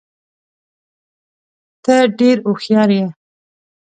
ته ډېر هوښیار یې.